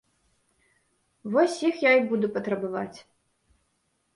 Вось, іх я і буду патрабаваць.